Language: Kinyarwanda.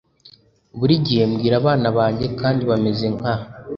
Buri gihe mbwira abana banjye kandi bameze nka,